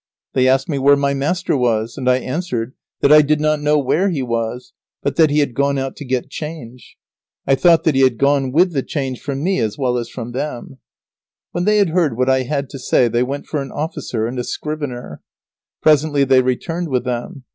They asked me where my master was, and I answered that I did not know where he was, but that he had gone out to get change. I thought that he had gone with the change from me as well as from them. [Sidenote: Creditors search for the esquire's effects, but there are none.] When they had heard what I had to say they went for an officer and a scrivener. Presently they returned with them.